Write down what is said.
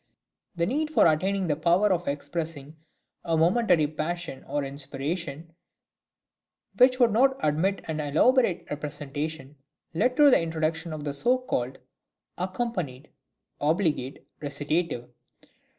The need for attaining the power of expressing a momentary passion or inspiration which would not admit of an elaborate representation led to the introduction of the so called accompanied (obligate) recitative.